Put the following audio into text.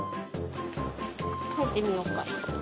入ってみようか。